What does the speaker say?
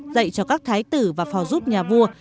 dạy cho các thái tử và phò giúp nhà vua